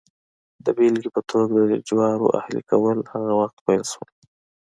د بېلګې په توګه د جوارو اهلي کول هغه وخت پیل شول